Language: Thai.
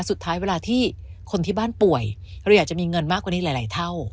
สุดท้ายเวลาที่คนที่บ้านป่วยเราอยากจะมีเงินมากกว่านี้หลายเท่า